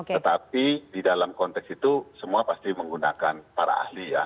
tetapi di dalam konteks itu semua pasti menggunakan para ahli ya